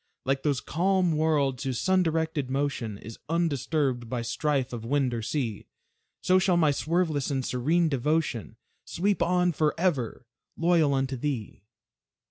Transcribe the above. Like those calm worlds whose sun directed motion Is undisturbed by strife of wind or sea, So shall my swerveless and serene devotion Sweep on forever, loyal unto thee.